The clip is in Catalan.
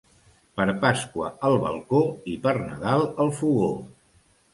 Per Pasqua al balcó i per Nadal al fogó.